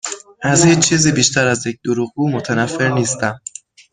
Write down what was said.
از هیچ چیزی بیشتر از یک دروغگو متنفر نیستم.